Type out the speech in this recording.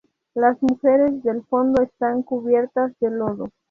Las mujeres del fondo están cubiertas de lodo.